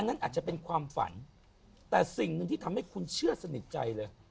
นั้นอาจจะเป็นความฝันแต่สิ่งหนึ่งที่ทำให้คุณเชื่อสนิทใจเลย